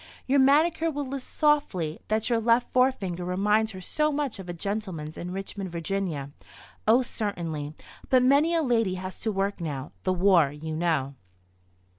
Your manicure will lisp softly that your left forefinger reminds her so much of a gentleman's in Richmond, Va. Oh, certainly; but many a lady has to work now—the war, you know.